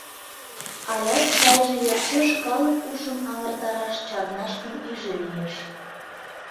Алят сайже йӧршеш калык ушым аҥыртараш чарнаш гын иже лиеш.